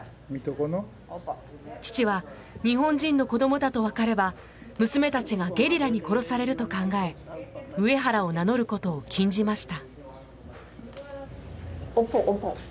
父は日本人の子どもだとわかれば娘たちがゲリラに殺されると考えウエハラを名乗ることを禁じました。